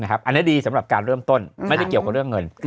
อันนี้ดีสำหรับการเริ่มต้นไม่ได้เกี่ยวกับเรื่องเงิน